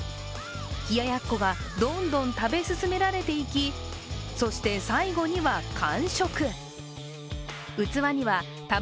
冷や奴がどんどん食べ進められていき、そして、最後には完食。